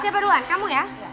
siapa duluan kamu ya